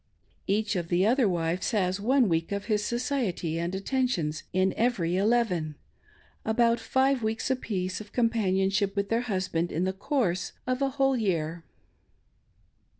Each of the other wives has one week of his society and attentions in every eleven — about five weeks apiece of companionship with their husband in the course of a whole year.